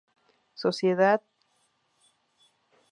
Sociedad", xvi.